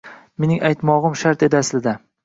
Mening aytmog‘im shart edi, aslida.